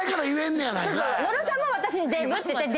野呂さんも私にデブって言って。